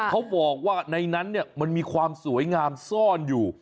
เขาบอกว่าในนั้นมันมีความสวยงามซ่อนอยู่